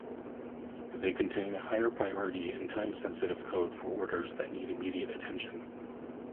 They contain a higher priority and time-sensitive code for orders that need immediate attention.